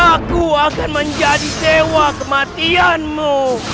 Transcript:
aku akan menjadi sewa kematianmu